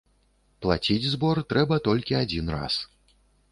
Плаціць збор трэба толькі адзін раз.